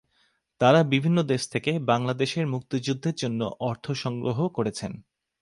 তারা বিভিন্ন দেশ থেকে বাংলাদেশের মুক্তিযুদ্ধের জন্য অর্থ সংগ্রহ করেছেন।